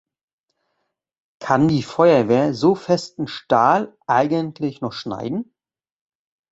Kann die Feuerwehr so festen Stahl eigentlich noch schneiden?